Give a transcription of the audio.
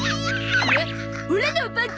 オラのおパンツ？